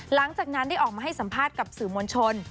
หลังจากนั้นได้ออกมาให้สัมภาษณ์กับสื่อมวลชน